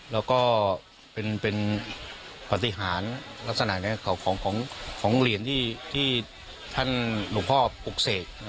แล้วก็เป็นปฏิหารลักษณะของเหรียญที่ท่านหลวงพ่อปลูกเสก